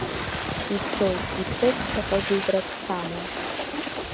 Ицоит, ицоит ԥхьаҟа гәыӷрак саман.